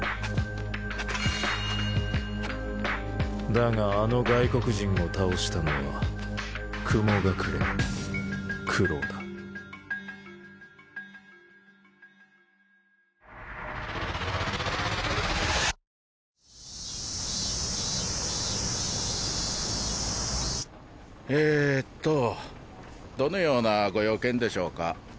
だがあの外国人を倒したのは雲隠九郎だえっとどのようなご用件でしょうか？